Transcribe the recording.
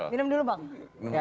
minum dulu bang